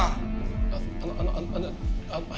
あっあのあのあの。